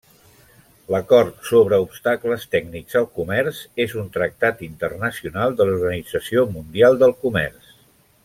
L'Acord sobre Obstacles Tècnics al Comerç és un tractat internacional de l'Organització Mundial del Comerç.